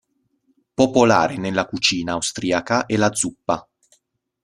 Popolare nella cucina austriaca è la zuppa.